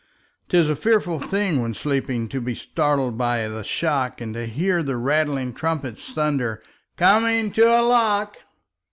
'Tis a fearful thing when sleeping To be startled by the shock, And to hear the rattling trumpet Thunder, "Coming to a lock!"